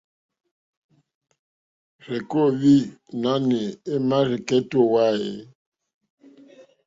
Rzeke o ohwi nanù ema rzekɛtɛ o wa e?